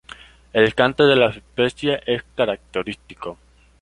El canto de la especie es característico.